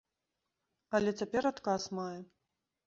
Але цяпер адказ мае.